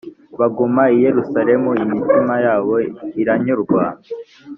baguma i yerusalemu imitima yabo iranyurwa